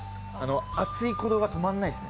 熱い鼓動が止まらないですね。